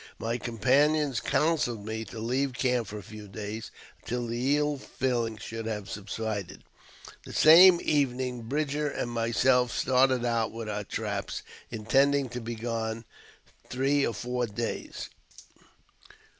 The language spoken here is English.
My com panions counselled me to leave camp for a few days until the ill feeUng should have subsided. The same evening Captain Bridger and myself started out with our traps, intending to be gone three or four days.